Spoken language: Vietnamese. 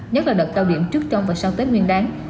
nhất là đợt cao điểm trước trong và sau tết nguyên đáng